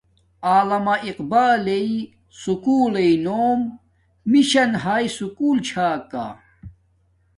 علامہ اقبالݵ سلول لݵ نوم مشن ھاݵ سکول چھا کا